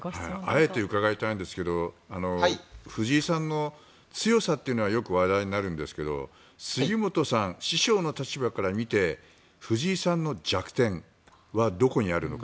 あえて伺いたいんですが藤井さんの強さというのはよく話題になるんですが杉本さん、師匠の立場から見て藤井さんの弱点はどこにあるのか。